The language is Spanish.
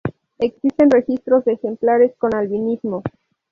Existen registros de ejemplares con albinismo.